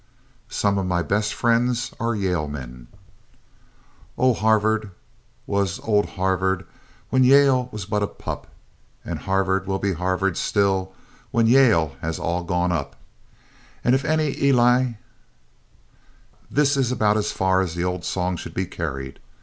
Some of My Best Friends Are Yale Men "Oh, Harvard was old Harvard when Yale was but a pup, "And Harvard will be Harvard still when Yale has all gone up, "And if any Eli " THIS is about as far as the old song should be carried.